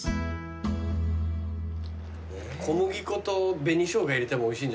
小麦粉と紅しょうが入れてもおいしいんじゃない？